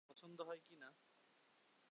এই বিয়ারটা আপনার পছন্দ হয় কি না!